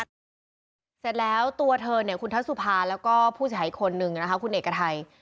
เสร็จแล้วตัวเทิร์นคุณทัศุพาแล้วก็ผู้ใช้คนหนึ่งคุณเอกไทย